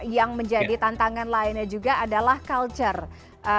yang menjadi tantangan lainnya juga adalah culture